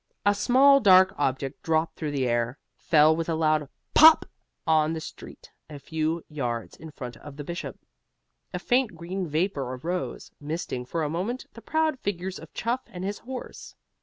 A small dark object dropped through the air, fell with a loud POP on the street a few yards in front of the Bishop. A faint green vapor arose, misting for a moment the proud figures of Chuff and his horse.